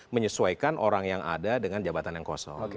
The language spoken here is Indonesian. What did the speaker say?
menyesuaikan orang yang ada dengan jabatan yang kosong